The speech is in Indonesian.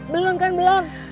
belum kan belum